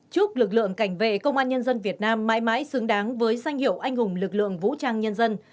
chúc lực lượng cảnh vệ công an nhân dân việt nam mãi mãi xứng đáng với danh hiệu anh hùng lực lượng vũ trang nhân dân